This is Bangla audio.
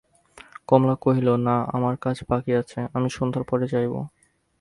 কমলা কহিল, না, আমার কাজ বাকি আছে, আমি সন্ধ্যার পরে যাইব।